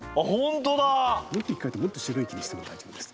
もっとひっかいてもっと白い木にしても大丈夫です。